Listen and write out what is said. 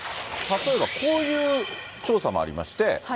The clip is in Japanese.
例えばこういう調査もありまして。